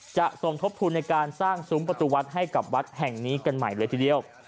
สมทบทุนในการสร้างซุ้มประตูวัดให้กับวัดแห่งนี้กันใหม่เลยทีเดียว